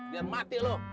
biar mati lu